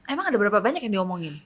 emang ada berapa banyak yang diomongin